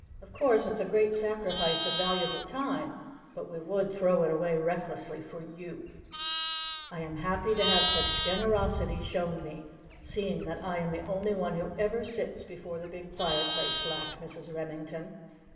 Of course it's a great sacrifice of valuable time, but we would throw it away recklessly for you!" "I am happy to have such generosity shown me, seeing that I am the only one who ever sits before the big fireplace!" laughed Mrs. Remington.